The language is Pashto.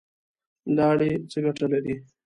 لاړې څه ګټه لري؟